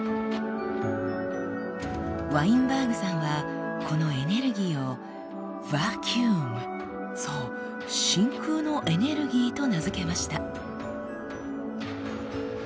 ワインバーグさんはこのエネルギーを「ｖａｃｕｕｍ」そう「真空のエネルギー」と名付けました。